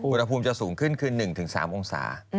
อุณหภูมิจะสูงขึ้นคือ๑๓องศา